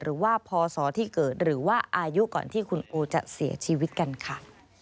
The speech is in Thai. หรือว่าพศที่เกิดหรือว่าอายุก่อนที่คุณโอจะเสียชีวิตกันค่ะ